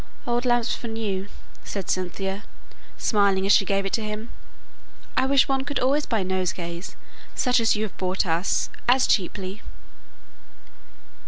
"Old lamps for new," said Cynthia, smiling as she gave it to him. "I wish one could always buy nosegays such as you have brought us, as cheaply."